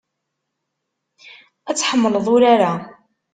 Ad tḥemmleḍ urar-a.